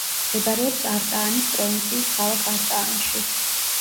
მდებარეობს არტაანის პროვინციის ქალაქ არტაანში.